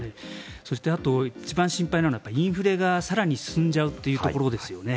そして、あと一番心配なのはインフレが更に進んじゃうところですよね。